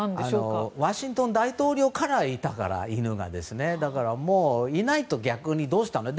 犬はワシントン大統領からいたからだから、いないと逆にどうしたの？と。